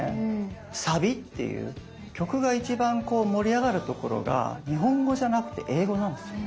サビっていう曲が一番こう盛り上がるところが日本語じゃなくて英語なんですよね。